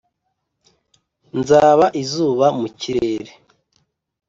nzaba izuba mu kirere